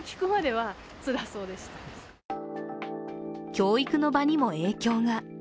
教育の場にも影響が。